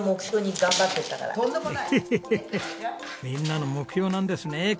みんなの目標なんですね